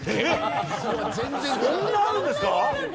そんなあるんですか？